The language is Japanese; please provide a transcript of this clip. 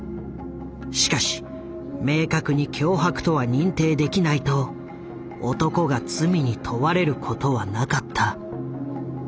しかし明確に脅迫とは認定できないと男が罪に問われることはなかった。